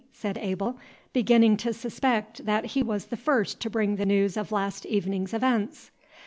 said Abel, beginning to suspect that he was the first to bring the news of last evening's events.